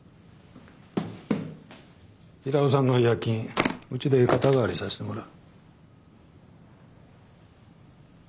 平尾さんの違約金うちで肩代わりさせてもらう。